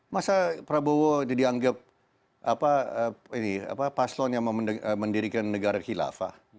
masa prabowo dianggap paslon yang mendirikan negara khilafah